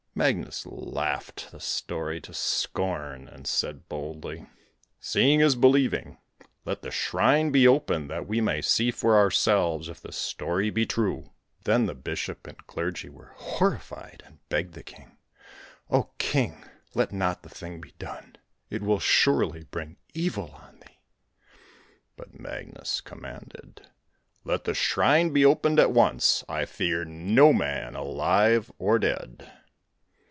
Magnus laughed the story to scorn and said boldly: 'Seeing is believing; let the shrine be opened that we may see for ourselves if the story be true.' Then the bishop and clergy were horrified, and begged the king: 'Oh king, let not the thing be done, it will surely bring evil on thee.' But Magnus commanded: 'Let the shrine be opened at once. I fear no man alive or dead.'